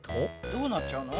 どうなっちゃうの？